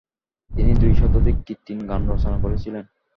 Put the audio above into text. তিনি দুই শতাধিক কীর্তন গান রচনা করেছিলেন।